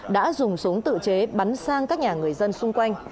đã dùng súng tự chế bắn sang các nhà người dân xung quanh